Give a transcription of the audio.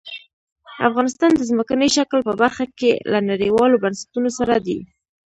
افغانستان د ځمکني شکل په برخه کې له نړیوالو بنسټونو سره دی.